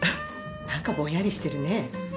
何かぼんやりしてるね。